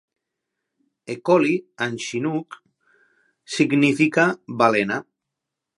"Ehkoli" en chinook significa "balena".